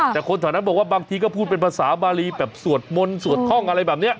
แต่คนแถวนั้นบอกว่าบางทีก็พูดเป็นภาษาบารีแบบสวดมนต์สวดท่องอะไรแบบนี้